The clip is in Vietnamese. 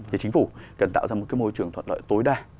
thì chính phủ cần tạo ra một cái môi trường thuận lợi tối đa